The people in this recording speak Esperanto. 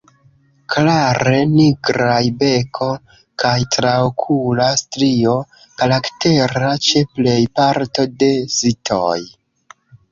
Klare nigraj beko kaj traokula strio, karaktera ĉe plej parto de sitoj.